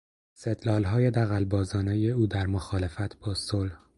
استدلالهای دغلبازانهی او در مخالفت با صلح